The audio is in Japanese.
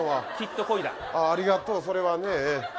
ありがとう、それはね。